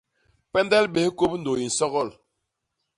Pendel bés kôp ndôy i nsogol.